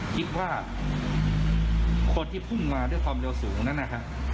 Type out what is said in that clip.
คิดว่าคนที่พุ่งมาด้วยความเร็วสูงนั้นนะครับ